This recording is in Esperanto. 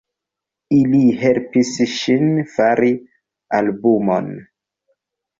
Ili helpis ŝin fari albumon.